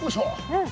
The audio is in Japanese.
うん。